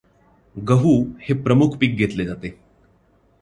गहू हे प्रमुख पीक घेतले जाते.